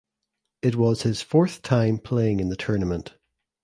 It was his fourth time playing in the tournament.